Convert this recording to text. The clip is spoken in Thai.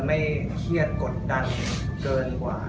แต่ช่วงบุกก็จะบันเงินกัน